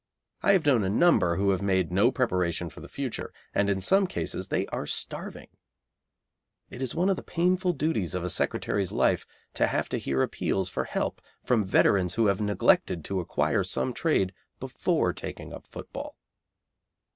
I have known a number who had made no preparation for the future, and in some cases they are starving. It is one of the painful duties of a secretary's life to have to hear of appeals for help from veterans who have neglected to acquire some trade before taking up football.